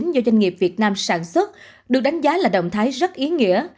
do doanh nghiệp việt nam sản xuất được đánh giá là động thái rất ý nghĩa